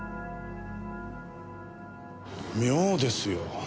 妙ですよ。